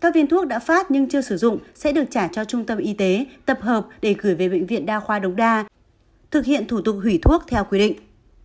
các viên thuốc đã phát nhưng chưa sử dụng sẽ được trả cho trung tâm y tế tập hợp để gửi về bệnh viện đa khoa đồng đa thực hiện thủ tục hủy thuốc theo quy định